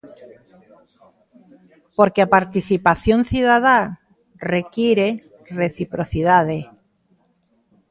Porque a participación cidadá require reciprocidade.